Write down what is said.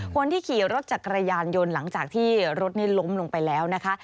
คนที่ขี่รถจักรยานยนต์หลังจากที่รถนี้ล้มลงไปแล้วนะคะ